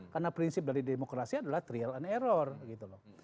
karena prinsip dari demokrasi adalah trial and error